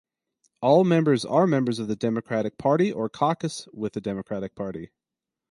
All members are members of the Democratic Party or caucus with the Democratic Party.